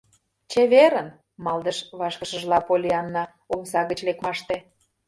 — Чеверын, — малдыш вашкышыжла Поллианна омса гыч лекмаште.